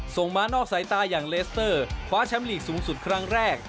ส่งมานอกสายตาอย่างเลสเตอร์คว้าแชมป์ลีกสูงสุดครั้งแรก